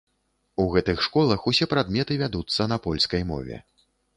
У гэтых школах усе прадметы вядуцца на польскай мове.